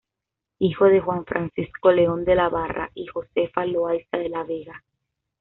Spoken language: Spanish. Hijo de Juan Francisco León de la Barra y Josefa Loayza de la Vega.